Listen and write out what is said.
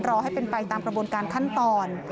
รอให้เป็นไปตามกระบวนการขั้นตอน